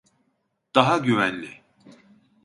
Daha güvenli.